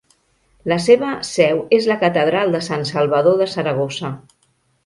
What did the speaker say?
La seva seu és la Catedral de Sant Salvador de Saragossa.